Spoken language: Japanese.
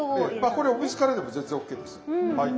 これお水からでも全然ＯＫですはい。